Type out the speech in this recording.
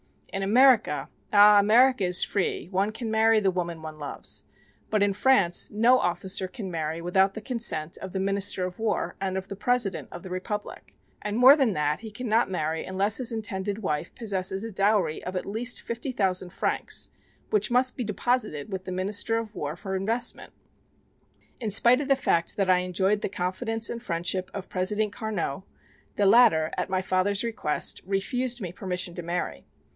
In America Ah America is free, one can marry the woman one loves, but in France no officer can marry without the consent of the Minister of War and of the President of the Republic; and more than that he cannot marry unless his intended wife possesses a dowry of at least fifty thousand francs which must be deposited with the Minister of War for investment." "In spite of the fact that I enjoyed the confidence and friendship of President Carnot the latter, at my father's request, refused me permission to marry.